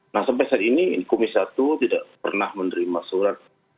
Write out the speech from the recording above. nah sampai saat ini komisi satu tidak pernah menerima surat